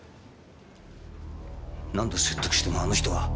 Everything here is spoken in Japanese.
何度説得してもあの人は。